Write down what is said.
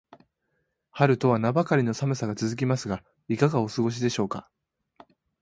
春とは名ばかりの寒さが続きますが、いかがお過ごしでしょうか。